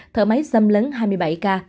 thở máy xâm lấn hai mươi bảy ca